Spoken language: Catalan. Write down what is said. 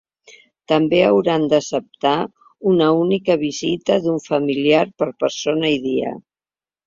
També hauran d’acceptar una única visita d’un familiar per persona i dia.